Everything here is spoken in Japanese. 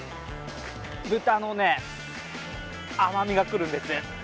豚のね、甘みが来るんです。